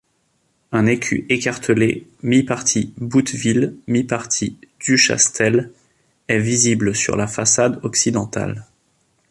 Un écu écartelé mi-parti Bouteville, mi-parti Du Chastel est visible sur la façade occidentale.